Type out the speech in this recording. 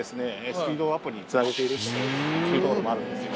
スピードアップに繋げているというところもあるんですよ。